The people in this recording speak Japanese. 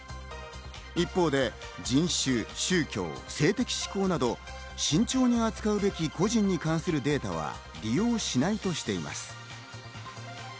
一方で人種、宗教、性的指向など慎重に扱うべき個人に関するデータは利用しないとしています。